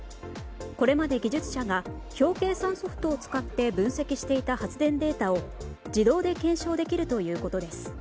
これまで技術者が表計算ソフトを使って分析していた発電データを自動で検証できるということです。